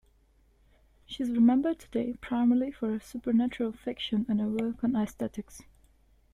She is remembered today primarily for her supernatural fiction and her work on aesthetics.